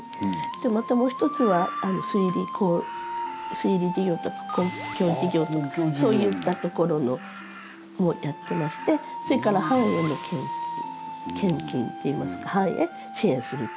またもう一つは水利事業とか公共事業とかそういったところのもやってましてそれから藩への献金っていいますか藩へ支援するっていう事。